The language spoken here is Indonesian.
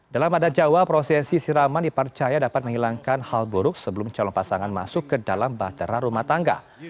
dalam adat jawa prosesi siraman dipercaya dapat menghilangkan hal buruk sebelum calon pasangan masuk ke dalam bahtera rumah tangga